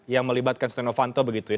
yang melibatkan stenovanto begitu ya